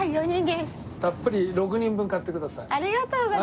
たっぷり６人分買ってください。